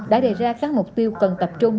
đã đề ra các mục tiêu cần tập trung